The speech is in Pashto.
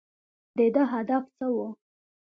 د ده هدف څه و ؟